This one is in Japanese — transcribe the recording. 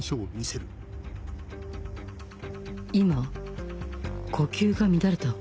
今呼吸が乱れた